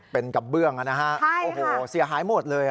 เป็นกระเบื้องนะฮะโอ้โหเสียหายหมดเลย